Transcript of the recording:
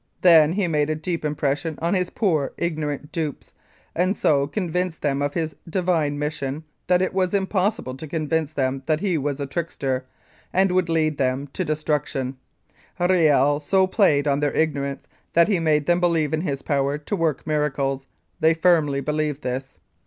Then he made a deep im pression on his poor, ignorant dupes, and so convinced them of his Divine mission that it was impossible to convince them that he was a trickster and would lead them to destruction. Riel so played on their ignorance that he made them believe in his power to work miracles ; they firmly believed this.